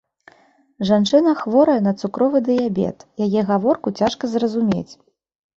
Жанчына хворая на цукровы дыябет, яе гаворку цяжка зразумець.